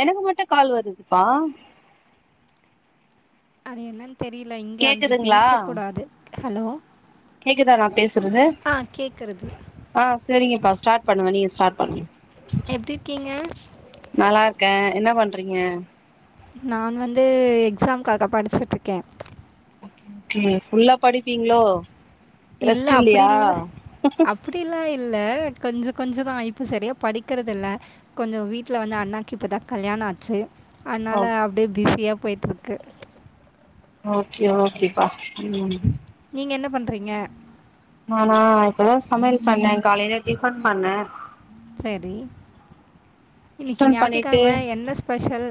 எனக்கு மட்டு கால் வருதுபா அது என்னன் தெரியல இங்க அப்டி கேக்குதுங்களா பேச கூடாது ஹலோ கேக்குதா நா பேசுறது ஆ கேட்குறது ஆ செரிங்கப்பா ஸ்டார்ட் பண்ணுங்க நீங்க ஸ்டார்ட் பண்ணுங்க எப்டி இருக்கீங்க நல்லா இருக்கே என்ன பண்றீங்க நான் வந்து எக்ஸாம்காக படிச்சுட்டு இருக்கே ஓகே ஓகே ஃபுல்லா படிப்பீங்க்ளோ ரெஸ்ட் இல்லெயா அப்டிலா இல்ல கொஞ்ச கொஞ்ச தா இப்ப சரியா படிக்கிறதுல்ல கொஞ்சோ வீட்ல வந்து அண்ணாக்கு இப்பதா கல்யாண ஆச்சு அனால ஓகே அப்டியே பிஸியா போயிட்ருக்கு ஓகே ஓகேப்பா ம் நீங்க என்ன பண்றீங்க நானா இப்பதா சமயல் பண்ணே காலையில டிஃபண் பண்ணே சரி இன்னைக்கு டிஃபன் பண்ணிட்டு ஞாத்திக்கெளம என்ன ஸ்பெஷல்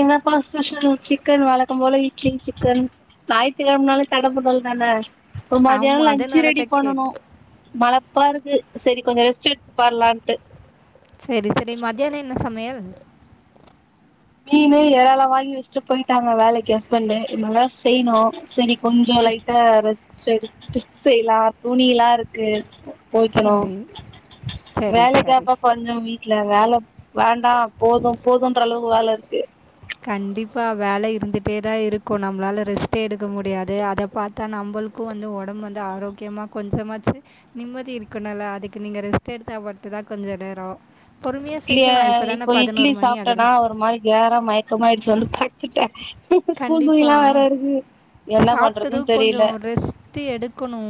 என்னப்பா ஸ்பெஷல் சிக்கன் வழக்கம் போல இட்லி சிக்கன் ஞாயித்துகெளமனாலே தடபுடல் தான இப்போ மதியானோ ஆமாம் லஞ்சு அதனால ரெடி தான் பண்ணனு கேட்டேன் மழ பா இருக்கு செரி கொஞ்சோ ரெஸ்ட் எத்து பண்லான்ட்டு செரி செரி மதியனோ என்ன சமையல் மீனு ஏறளா வாங்கி வெச்ட்டு போயிட்டாங்க வேலைக்கு ஹஸ்பண்டு இனிமேதா செய்னு செரி கொஞ்சோ சரி லைட்டா ரெஸ்ட்டு எடுத்துட் செய்லா துணிலா இருக்கு துவைக்கணு சரி. சரி, சரி. வேலைக்காப்பா ப கொஞ்சோ வீட்ல வேல வேண்டா போது போதுன்ற அளவுக்கு வேல இருக்கு கண்டிப்பா வேல இருந்துட்டே தா இருக்கு நம்மளால ரெஸ்ட்டே எடுக்க முடியாது அத பா தா நம்பளுக்கு வந்து ஒடம்பு வந்து ஆரோக்கியமாக கொஞ்சமாச்சு நிம்மதி இருக்கனுல அதுக்கு நீங்க ரெஸ்ட் எடுத்தா மட்டுதா கொஞ்ச நேரோ இல்ல இப்போ இட்லி மணி ஆகுது. சாப்டனா ஒரு மாரி கேர மயக்கமா ஆயிடுச்சு வந்து பட்த்துட்டே றோ ஸ்கூல் துணி கண்டிப்பா. எல்லா வேற இருக்கு என்ன பண்றதுன் தெரில து எடுக்கணு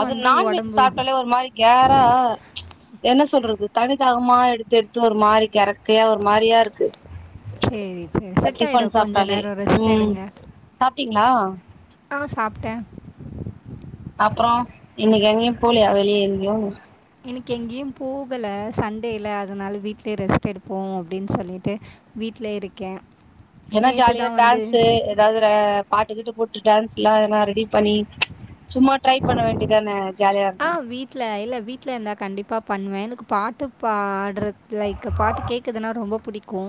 அது நான்வெஜ் சாப்ட்டாலே ஒரு மாரி கேரா என்ன சொல்றது தண்ணிதாகமா எடுத்தெடுத்து ஒரு மாரி கெரக் கையா ஒரு மாரியா இருக்கு சரி, சரி. செட் டிஃபன் ஆயிடும். கொஞ்ச சாப்ட்டாலே நேரம் ரெஸ்ட் ம் எடுங்க. சாப்ட்டீங்களா? ஆ சாப்ட்டே அப்றோ இன்னைக்கு எங்கேயு போலையா வெளிய எங்கேயு இன்னிக்கு எங்கேயு போகல சண்டேல்ல அதனால வீட்லயே ரெஸ்ட் எடுப்போ அப்டின் சொல்லிட்டு வீட்ல இருக்கே ஏன்னா ஜாலியா டான்ஸு ஏதாவது ஒரு பாட்டுக்கீட்டு போட்டு டான்ஸ்ல்லா எதனா ரெடி பண்ணி சும்மா ட்ரை பண்ண வேண்டியதானே ஜாலியா இருக்கு வீட்ல இல்ல வீட்ல இருந்தா கண்டிப்பா பண்ணுவே எனக்கு பாட்டு பாடுறது லைக் பாட்டு கேக் குதுன்னா ரொம்ப புடிக்கு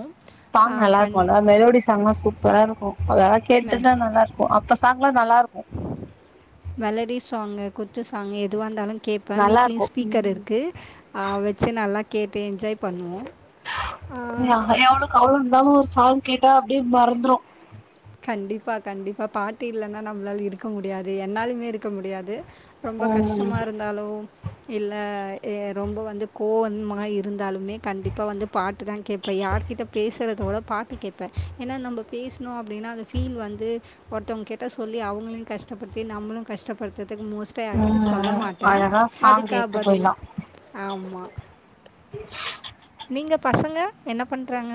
சாங் நல்லா இருக்குல்ல மெலோடி சாங்க்லா சூப்பரா இருக்கு அதெல்லா மெ கேட்டுட்டு நல்லா அப்போ சாங்க்ல்லா நல்லா இருக்கு மெலடி சாங்கு குத்து சாங்கு எதுவா இருந்தாலு கேப்ப நல்லா வீட்லேயு இருக்கு ஸ்பீக்கர் ம் இருக்கு அ வெச்சு நல்லா கேட்டு என்ஜாய் பண்ணுவோ யா எவ்ளோ கவல இருந்தாலு ஒரு சாங் கேட்டா அப்டியே மறந்துரோ கண்டிப்பா கண்டிப்பா பாட்டு இல்லன்னா நம்மளால இருக்க முடியாது என்னாலுமே இருக்க முடியாது ரொம்பக் ம் கஷ்டமா இருந்தாலோ இல்ல ஏ ரொம்போ வந்து கோவமா இருந்தாலுமே கண்டிப்பா வந்து பாட்டு தா கேப்பே யார்கிட்ட பேசுறதோட பாட்டு கேப்பே ஏன்னா நம்ப பேசணோ அப் டீன்னா அந்த ஃபீல் வந்து ஒருத்தவங்க கிட்ட சொல்லி அவுங்களையு கஷ்டப்படுத்தி நம்மளோ கஷ்டப்படுத்துறதுக்கு மோஸ்ட் லீ யாருகிட்டயு சொல்ல ம் மாட்டே அழகா சாங் அதுக்கா கேட்டு பதிலு போயிட்லா ஆமா நீங்க பசங்க என்ன பண்றாங்க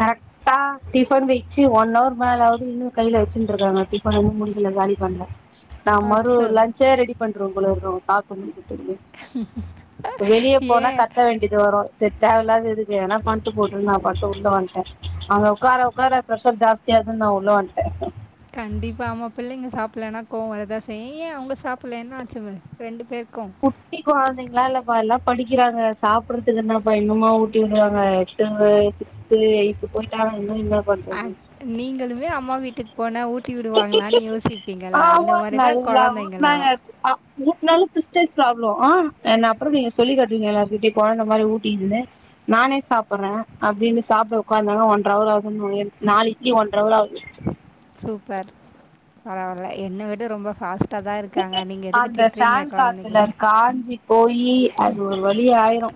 கரக்ட்டா டிஃபன் வெச்சு ஒன் ஹவர் மேலாவது இன்னோ கைல வெச்சுன்ட்ருக்காங்க டிஃபன இன்னோ முடிக்குல காலி பண்ல நா மறு அச்சோ! லஞ்சே ரெடி பண்ட்றுவே போல இருக்கு இவங்க சாப் வெளியே போனா ஏன்? கத்த வேண்டி டியது வரோ செட் ஆவ்லாதது எதுக்கு எனா பண்ட்டு போட்டுன்ட்டு நா பாட்டு வுட் உள்ள வந்ட்டே அங்க ஒக்கார ஒக்கார ப்ரெஷர் ஜாஸ்தியாதுனு நா உள்ள வந்ட்டே கண்டிப்பா ஆமா பிள்ளைங்க சாப்புலன்னா கோவோ வரதா செய்யு ஏ அவுங்க சாப்புட்ல என்ன ஆச்சு ரெண்டு பேருக்கோ குட்டி கொழந்தைங்கல்லா இல்லப்பா எல்லா படிக்கிறாங்க சாப்புடறதுக்கென்னப்பா இன்னுமா ஊட்டி விடுவாங்க இதுங்க சிக்ஸ்து எய்த்து போயிட்டாங் இன்னு என்னப் ஆ நீங்களுமே அம்மா வீட் ட்டுக்கு போனா ஊட்டி விடுவாங்களான்னு யோசிப்பீங்கலே அந்த ஆமா மாதிரிதா நல்லா கொழந்தைங்களோ ஊட்னாங்க அ ஊட்னாலு ப்ரெஸ்டேஜ் பராப்ளம் அ என்ன அப்புறோ நீங்க சொல்லி காட்டுவீங்க எல்லாரு கிட்டயு கொழந்த மாரி ஊட்டிக்கிதுன்னு நானே சாப்புடுறே அப்டீன்னு சாப்புட ஒக்காந்தானா ஒன்ற அவரு ஆகோ அவ எழுந்துக்க நாள் இட்லி ஒன்ற அவரு ஆவுது சூப்பர் பரவால்ல என்ன விட ரொம்ப ஃபாஸ்ட் அந்த ஃபேன் குழந்தைங்கள? காத்துல காஞ்சி போயி அது ஒரு வழி ஆயிரோ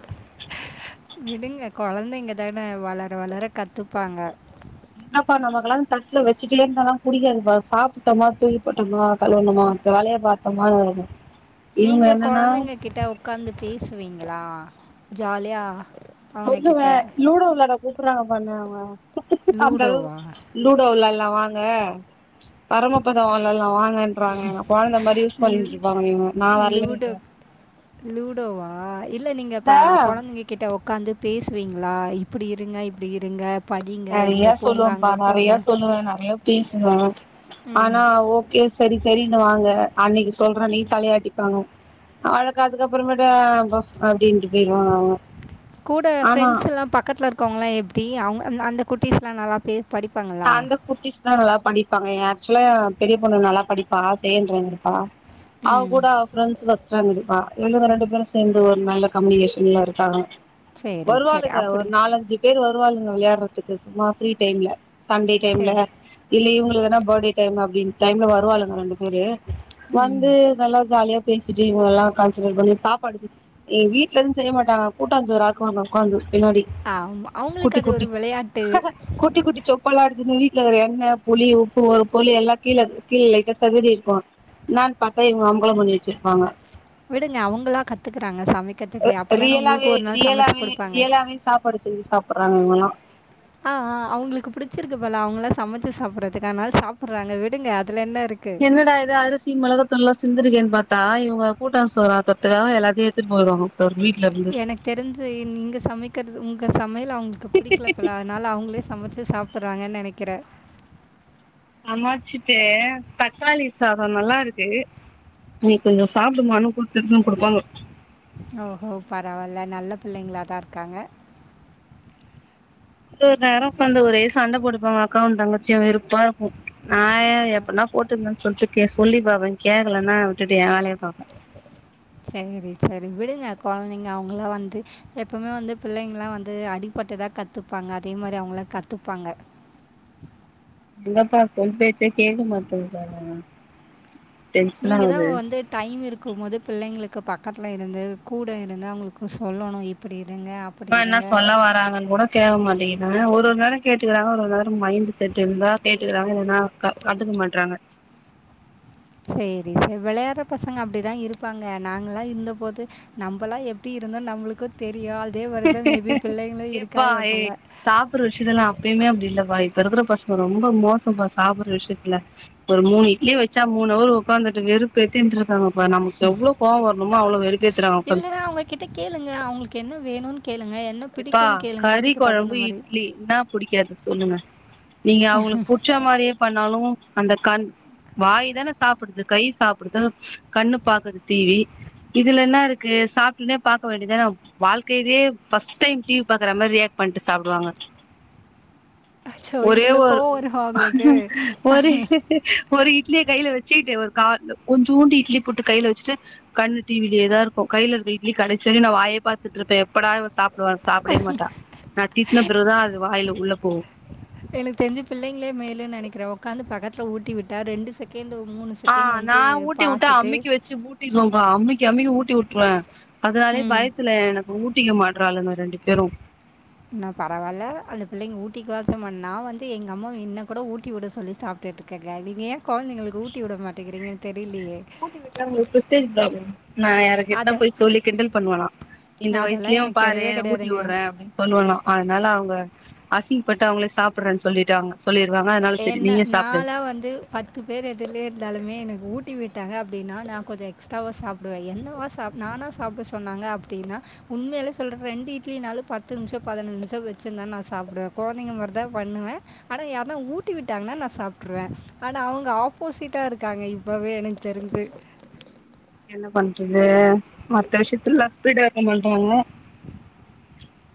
விடுங்க கொழந்தைங்க தானே வளர வளர கத்துப்பாங்க என்னப்பா நமக்கெல்லா தட்டுல வெச்சுட்டே இருந்தால்லா புடிக்காதுப்பா சாப்பிட்டோமா தூக்கிப்போட்டமா கழுவுணோமா மத்த வேலய பாத்தோமான்னு இருக்கனோ நீங்க கொழந்தைங்க கிட்ட ஒக்காந்து பேசுவீங்களா ஜாலியா அவங்க கிட்ட? சொல்லுவே லூடோ வெளாட கூப்புறாங்கப்பா என்ன அவுங்க அந்த லூடோவா? அளவுக் லூடோ வெளாட்லா வாங்க பரமப்பதோ வெளாட்லா வாங்கன் கூப்புறாங்கங்க கொழந்த மாரி யூஸ் ல் பண்ணிட்டு இருப்பாங்க இவுங்க நா லூடோ வர்லனிடுவ லூடோவா இல்ல நீங்க இந்த பா கொழந்தைங்க கிட்ட ஒக்காந்து பேசுவீங்களா இப்பிடி இருங்க இப்பிடி இருங்க படிங்க, இங்க நறையா போங்க, சொல்லுவேம்ப்பா அங்க போங்க." நறையா சொல்லுவே நறையா பேசுவே ம். ஆனா ஓகே செரி செரின்னுவாங்க அன்னக்கி சொல்ற அன்னக்கி தலையாட்டிப்பாங்க அவளுக்கு அதுக்கப்புறமேட்டு அ போ அப்டீன்ட்டு போயிருவாங்க அவளோ கூட ஃப்ரெண்ட்ஸெல்லா பக்கத்துல இருக்கவுங்கல்லா எப்டி அவுங்க அந்த குட்டீஸ்ல்லா நல்லா பேசு அந்த குட்டீஸ்தா நல்லா படிப்பாங்க ஆக்சுவலா பெரிய பொண்ணு நல்லா படிப்பா செகென்ட் ரேங்க் எடுப்பா ம். அவகூட ப்ரெண்ட்ஸ் ஃபஸ்ட் ரேங்க் எடுப்பா இவளுங்க ரெண்டு பேரு சேர்ந்து ஒரு நல்ல கம்யூனிகேஷன்ல இருக்காங்க சரி, சரி. வருவாளுங்க ஒரு அப்படி. நாலஞ்சு பேர் வருவாளுங்க விளையாட்றதுக்கு சும்மா ஃப்ரீ டைம்ல சண்டே டைம்ல சரி. இல்ல இவுங்களுக்குதா பர்த்டே டைம் அப்டின்னு டைம்ல வருவாளுங்க ரெண்டு பேரு ம். வந்து நல்லா ஜாலியா பேசிட்டு இவுங்கலலா கன்சிடர் பண்ணி சாப்பாடுக்கு ஏ வீட்ல இருந்து செய்ய மாட்டாங்க கூட்டாஞ்சோறு ஆக்குவாங்க ஒக்காந்து பின்னாடி ஆமா. அவங்களுக்கு குட்டி அது ஒரு குட்டி விளையாட்டு. குட்டி குட்டி சொப் புலா எடுத்துனு வீட்ல இருக்குற எண்ண புளி உப்பு ஒரு பொருளு எல்லா கீழ கீழ லெய்ட்டா செதறி இருக்கோ என்னன்னு பார்த்தா இங்க அமக்கலம் பண்ணி வச்சிருப்பாங்க விடுங்க, அவங்களா கத்துக்குறாங்க அ சமைக்கிறதுக்கு. அப்பதானே உங்களுக்கு ரியலாவே ஒரு நாள் சமைச்சு ரியலாவே குடுப்பாங்க. ரியலாவே சாப்பாடு செஞ்சு சாப்பட்றாங்க இவுங்களா ஆ ஆ அவுங்களுக்கு புடிச்சிருக்கு போல அவுங்களா சமைச்சு சாப்படறதுக்கு அனால சாப்பட்றாங்க விடுங்க அதுல என்ன இருக் என்னடா இது அரிசி மொளகாய் தூள்ல்லா சிந்திருக்கேன்னு பாத்தா இவுங்க கூட்டா சோறு ஆக்கறதுக்காக எல்லாத்தையு எ டுத்துன் போய்டுவாங்கா‌ போல ஒரு வீ்ட்ல இருந்து எனக்கு தெரிஞ்ச இங்க சமைக்கிறது உங்க சமையல் அவுங்களுக்கு புடிக்கல போல அதனால அவுங்களே சமைச்சு சாப்பட்றாங்கன்னு நெனைக்கற சமாச்சுட்டு தக்காளி சாதோ நல்லா இருக்கு நீ கொஞ்சம் சாப்ட்டுபாருனு குடுக்கருது குடுப்பாங்க ஓஹோ பரவால்ல நல்ல பிள்ளைங்களாதா இருக்காங்க ஒரு நேரோ பண்து ஒரே சண்ட போட்டுப்பாங்க அக்காவு தங்கச்சியு வெறுப்பா நா ஆ எப்படின்னா போட்டுக்கங்ன்னு சொல்ட்டு கே சொல்லி பாப்ப கேக்கலனா விட்டுட்டு எ வேலய பாப்ப சரிங்க ரி சரி விடுங்க கொழந்தைங்க அவுங்களா வந்து எப்பவுமே வந்து பிள்ளைங்கல்லா வந்து அடிப்பட்டுதா கத்துப்பாங்க அதே மாரி அவுங்களே கத்துப்பாங்க எங்கப்பா சொல் பேச்சே கேக்க மாட்துங்க பார நீங்க தா ஒ வந்து டைம் இருக்கும் போது பிள்ளைங்களுக்கு பக்கத்துல இருந்து கூட இருந்து அவுங்களுக்கு சொல்லணு இப்படி இருங்க அப்படி அம்மா என்ன இருங்க சொல்ல வறாங்கன்னு கூட கேக்க மாட்டேங்குதுங்க ஒரு நேரோ கேட்டுக்கறாங்க ஒரு நேரோ மைண்டு செட்டு இருந்தா கேட்டுக்கறாங்க இல்லனா க கண்டுக்க மாட்றாங்க சேரி செ வெளையாட்ற பசங்க அப்டிதா இருப்பாங்க நாங்கலா இருந்தபோது நம்பல்லா எப்டி இருந்தோ நம்மளுக்கு தெரியு அதே மாரிதா மேபி பிள்ளைங்களு இருக்காங்க போல ஒரு ஒரு விஷயத்தலு அப்பையுமே அப்டி இல்லப்பா இப்ப இருக்கற பசங்க ரொம்ப மோசம் பா சாப்பட்ற விஷயத்துல ஒரு மூணு இட்லி வெச்சா மூணு அவர் உக்காந்துட்டு வெறுப்பு ஏத்தின்ருக்காங்க பா நமக்கு எவ்ளோ கோவோ வரணுமோ அவ்ளோ வெறுப்பேத்தறாங்க பா இல்லன்னா அவங்க கிட்ட கேளுங்க அவுங்களுக்கு என்ன வேணுனு கேளுங்க என்ன எப்பா பிடிக்கும்னு கேளுங்க. கறி அதுக்கு தகுந்த குழம்பு மாரி. இட்லி என்னா புடிக்காது சொல்லுங்க நீங்க அவுங்களுக்கு புடிச்ச மாரியே பண்ணாலு அந்த கண் வாய் தான சாப் டுது கை சாப்டுது கண்ணு பாக்குது டி வி இதுல என்ன இருக்கு சாப்ட்டுனே பாக்க வேண்டியதான வாழ்க்கையிலே ஃபர்ஸ்ட் டைம் டி வி பாக்கற மாரி ரியாக்ட் பண்ட்டு சாப்டுவாங்க அச்சோ! ஒரே இவ்ளோ ஒரு கோவம் வருமா உங்களுக்கு? ஒரே ஒரு இட்லிய கையில வச்சுட்டு ஒரு கா கொஞ்சூண்டு இட்லிய புட்டு கையில வச்சுட்டு கண்ணு டிவிலயே தா இருக்கு கையில இருக்க இட்லி கடைசி வரையு நா வாயே பாத்துட்டுருப்ப எப்படா இ வ சாப்படே மாட்டா நா திட்ன பிறகுதா அது வாயில உள்ள போவு எனக்கு தெரிஞ்சு பிள்ளைங்களே மேலு நனைக்கற ஒக்காந்து பக்கத்துல ஊட்டி விட்டா ரெண்டு செகண்ட்டு மூணு ஆ நா ஊட்டி வுட்டா அமுக்கி வெச்சு ஊட்டிருவன்‌பா அமுக்கி அமுக்கி ஊட்டி உட்டுருவ அதனாலே ம். பயத்துல எனக்கு ஊட்டிக்க மாட்றாளுங்க ரெண்டு பேரு என்ன பரவாயில்ல அந்த பிள்ளைங்க ஊட்டிக்க வாத்தமன் நா‌வந்து எங்க அம்மாவ இன்னு கூட ஊட்டி விட சொல்லி சாப் டெட்டுக்க களினி கொழந்தைகளுக்கு ஊட்டி விட மாட்டேங்கறீங்கன்னு தெரிலையே ஊட்டி விட்டா அவுங்களுக்கு பிரெஸ்டிஜ் பிராப்ளம் நா யாரு கிட்ட அதை போய் சொல்லி கிண்டல் பண்வலா இந்த அதெல்லாம் வயசுலயு எனக்கு பாரு கிடையவே கிடையாதுங்க ஊட்டிவுடுறே அப்டின்னு சொல்வாலா அதனால அவுங்க அசிங்ப்பட்டு அவுங்களே சாப்டறேன்னு சொல்லிட்டாங்க சொல்லிருவாங்க அதனால செரி நீயே சாப்டு பத்து பேர் எதிர்லே இருந்தாலுமே எனக்கு ஊட்டி விட்டாங்கா அப்டின்னா நா கொஞ்சோ எக்ஸ்ட்ராவா சாப் டுவ என்னவா சாப் நானா சாப்ட சொன்னாங்க அப்டின்னா உண்மையிலே சொல்றே ரெண்டு இட்லினாலு பத்து நிமிஷோ பதினஞ்சு நிமிஷோ வச்சுதா நா சாப்டுவே கொழந்தைங்க மாரி தா பண்ணுவே அட யார்னா ஊட் ஊட்டி விட்டாங்னா நா சாப்டுருவே ஆனா அவுங்க ஆப்போசிட்டா இருக்காங்க இப்பவே எனக் தெரிஞ்சு என்ன பண்றது மத்த விஷயத்துல லா ஸ்பீடா இருக்க மாட்டோம்ல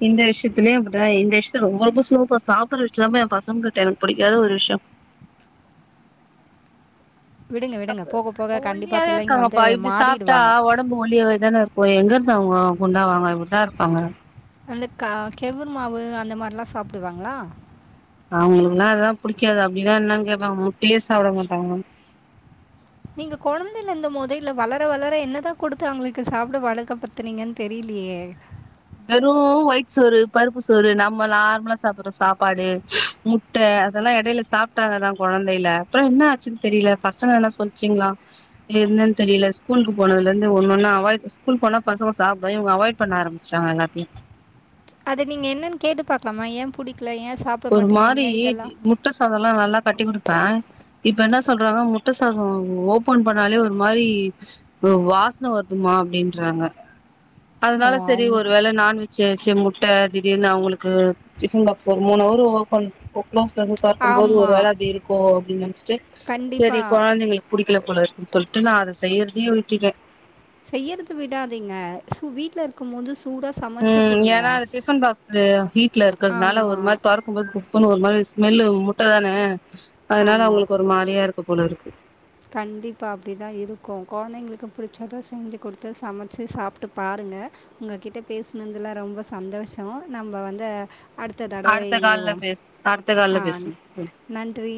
இந்த விஷயத்துலே அப்டிதா இந்த விஷயத்துல ரொம்ப ரொம்ப ஸ்லோபா சாப்டற விஷயதுலதாம்பா எ பசங்கள் ட எனக் புடிக்காத ஒரு விஷ்யோ விடுங்க, விடுங்க. போக அப்ப போக கண்டிப்பா ஒல்லியாவே பிள்ளைங்க வந்து இருக்காங்கப்பா இப்டி சாப்ட்டா மாறிடுவாங்க. ஒட் ஒடம்பு ஒல்லியாவே தான இருக்கு எங்கருந்து அவுங்க குண்டாவாங்க இப்டிதாருப்பாங்க அந்த க கெவுர் மாவு அந்த மாரிலா சாப்டுவாங்களா அவுங்குளுக்குலா இதலா புடிக்காது அப்டினா என்னான்னு கேப்பாங்க முட்டையே சாப்ட மாட்டாங்க மம் நீங்க கொழந்தைலருந்த போதே இல்ல வளர வளர என்னதா குடுத்து அவுங்களுக்கு சாப்ட வழக்க படுத்துனீங்கன்னு தெரிலயே வெறு ஒயிட் சோறு பருப்பு சோறு நாம நார்மலா சாப்ட்ற சாப்பாடு முட் ட்ட அதெல்லா எடைல சாப்ட்டாங்கதா கொழந்தைல அப்றோ என்ன ஆச்சுன்னு தெரில பசங்கல்லா சொல்ச்சுங்ளா என்னன்னு தெரில ஸ்கூலு போனதுலர்ந்து ஒன்னொன்னா அவாய்ட் ஸ்கூல்கு போனா பசங்க சாப்டவே இவங்க அவாய்ட் பண்ண ஆரம்பி ச்டாங்க ல்லாத்தையு அத நீங்க என்னன்னு கேட்டு பாக்கலாமா ஏ புடிக்கல ஏ சாப் ஒரு மாரி முட்ட சாதோ ல்லா நல்லா கட்டி குடுப்பே இப்ப என்ன சொல்றாங்கனா முட்ட சாதோ ஓபன் பண்ணாலே ஒரு மாரி தோ வாஸ்ன வருதுமா அப்டின்றாங்க ஓ! அதனால சேரி ஒரு அவங்களுக்கு வேள நான்வெஜ் வைச்சு முட்ட திடீர்னு அவுங்குளுக்கு டிஃபன் பாக்சு ஓ மூணு அவரு ஓபன் க்ளோஸ்ல இருந்து தெறகும்போது ஒரு ஆமா. வேல அப்டி இருக்கோ அப்டின்னு நெனச் சே கண்டிப்பா. சேரி கொழந்தைங்களுக்கு புடிக்கல போல இருக்குன் சொல்லிட்டு நா அத செய்றதையே விட்டுடே செய்யறது விடாதீங்க சு வீட்ல இருக்கு போது சு ம் ஏன்னா அது டிஃபன் பாக்சு ஹீட்ல இருக்குறனால ஒரு ஆமா, மாரி தொறக் க்கும் போது குப்புன்னு ஒரு மாரி ஸ்மெல்லு முட்ட தானே அதனால ஆமா. அவுங்களுக்கு ஒரு மாரியா இருக்கு போல இருக்கு கண்டிப்பா அப்டி தா இருக்கு கொழந்தைங்களுக்கு புடிச்சத செஞ்சு குடுத்து சமச்சு சாப்ட்டு பாருங்க உங்ககிட்ட பேசனதுல ரொம்ப சந்தோஷோ நம்ப வந்து அடுத்த தடவை கால்ல இணைவோ பேசு அடுத்த கால்ல ஆ பேசுவோ ம் நன்றி